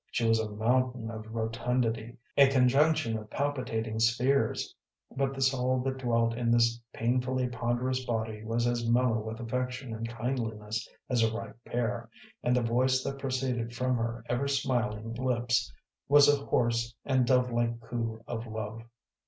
She was a mountain of rotundity, a conjunction of palpitating spheres, but the soul that dwelt in this painfully ponderous body was as mellow with affection and kindliness as a ripe pear, and the voice that proceeded from her ever smiling lips was a hoarse and dove like coo of love.